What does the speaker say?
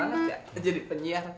kan aku aja jadi penyiar